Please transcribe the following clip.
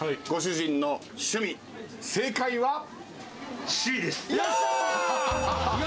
ご主人の趣味、正解は。